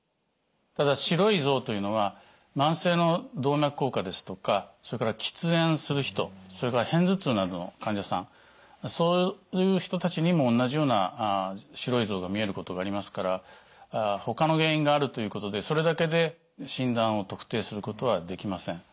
ただ白い像というのは慢性の動脈硬化ですとかそれから喫煙する人それから片頭痛などの患者さんそういう人たちにもおんなじような白い像が見えることがありますからほかの原因があるということでそれだけで診断を特定することはできません。